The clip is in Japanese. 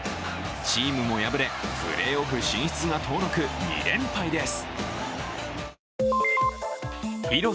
チームも敗れ、プレーオフ進出が遠のく２連敗です。